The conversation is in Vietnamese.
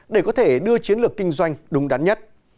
để có thể đưa chiến lược kinh doanh đúng đắn nhất